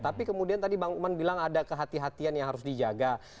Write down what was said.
tapi kemudian tadi bang ukman bilang ada kehatian yang harus dijaga